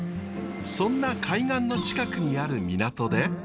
そんな海岸の近くにある港で。